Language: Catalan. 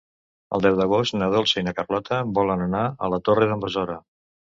El deu d'agost na Dolça i na Carlota volen anar a la Torre d'en Besora.